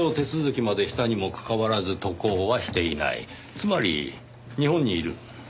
つまり日本にいる。